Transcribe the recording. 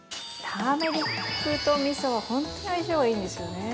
◆ターメリックとみそは、本当に相性がいいんですよね。